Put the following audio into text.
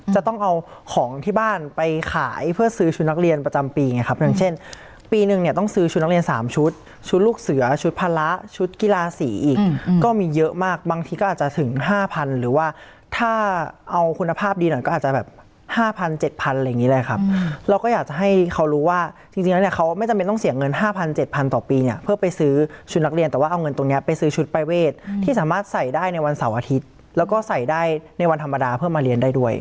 ชุดลูกเสือชุดพละชุดกีฬาสีอีกก็มีเยอะมากบางทีก็อาจจะถึง๕๐๐๐หรือว่าถ้าเอาคุณภาพดีหน่อยก็อาจจะแบบ๕๐๐๐๗๐๐๐อะไรอย่างนี้แหละครับเราก็อยากจะให้เขารู้ว่าจริงเขาไม่จำเป็นต้องเสียเงิน๕๐๐๐๗๐๐๐ต่อปีเนี่ยเพื่อไปซื้อชุดนักเรียนแต่ว่าเงินตัวเนี้ยไปซื้อชุดไฟเวทที่สามารถใส่ได้